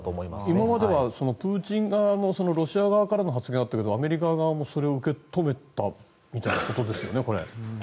今まではプーチン側の、ロシア側からの発言だったけどアメリカ側もそれを受け止めたみたいなことですよね。